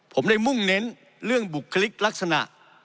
ผมได้มุ่งเน้นเรื่องบุคลิกลักษณะ